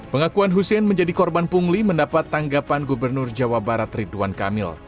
pengakuan hussein menjadi korban pungli mendapat tanggapan gubernur jawa barat ridwan kamil